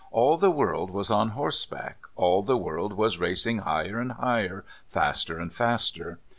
All the world was on horseback, all the world was racing higher and higher, faster and faster.